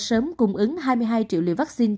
sớm cung ứng hai mươi hai triệu liều vaccine